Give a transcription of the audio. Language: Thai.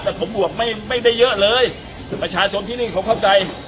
แต่ผมบวกไม่ได้เยอะเลยประชาชนที่นี่เขาเข้าใจ